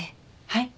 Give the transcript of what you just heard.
はい？